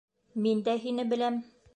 Мин дә һине беләм.